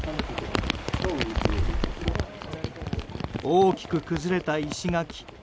大きく崩れた石垣。